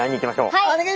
はい！